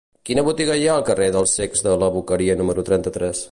Quina botiga hi ha al carrer dels Cecs de la Boqueria número trenta-tres?